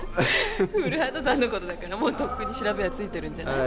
古畑さんのことだからもうとっくに調べはついてるんじゃない？